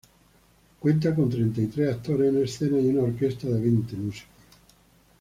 Cuenta con treinta y tres actores en escena y una orquesta de veinte músicos.